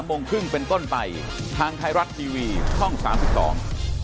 ขอบคุณครับสวัสดีครับ